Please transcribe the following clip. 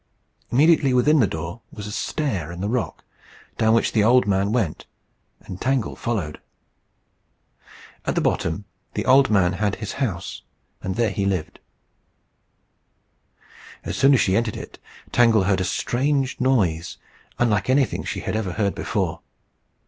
Immediately within the door was a stair in the rock, down which the old man went, and Tangle followed. At the bottom the old man had his house, and there he lived. As soon as she entered it, Tangle heard a strange noise, unlike anything she had ever heard before.